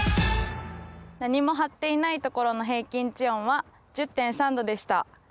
何も張っていないところの平均地温は１０．３℃でした。